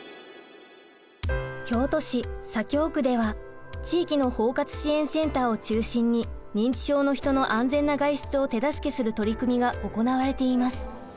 京都市左京区では地域の包括支援センターを中心に認知症の人の安全な外出を手助けする取り組みが行われています。